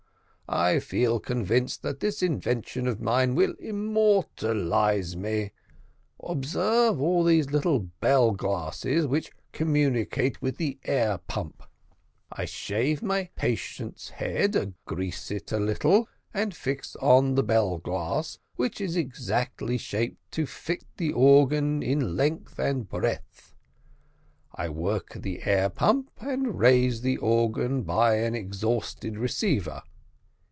I feel convinced that this invention of mine will immortalise me. Observe all these little bell glasses which communicate with the air pump. I shave my patient's head, grease it a little, and fix on the bell glass, which is exactly shaped to fit the organ in length and breadth. I work the air pump, and raise the organ by an exhausted receiver.